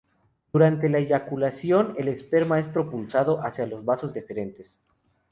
Durante la eyaculación, el esperma es propulsado hacia los vasos deferentes.